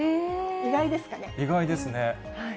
意外ですかね。